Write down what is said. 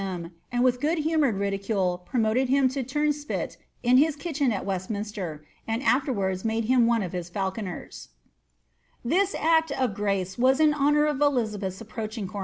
3, and with good humoured ridicule promoted him to be turnapji i? ^ hilrben at Westminiier, and afterwards made him one of his fa^ This net of grace was in honour of Elizabeth's approaching c UM.